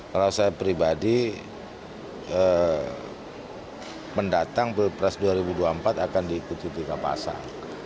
kalau saya pribadi mendatang pilpres dua ribu dua puluh empat akan diikuti tiga pasang